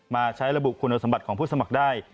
มาใช้ระบุคุณสมบัติของผู้สมัครได้